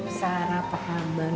usara pak hamar